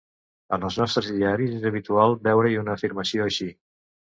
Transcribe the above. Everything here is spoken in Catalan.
En els nostres diaris és habitual veure-hi una afirmació així.